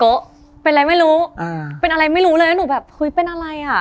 เป็นอะไรไม่รู้อ่าเป็นอะไรไม่รู้เลยแล้วหนูแบบเฮ้ยเป็นอะไรอ่ะ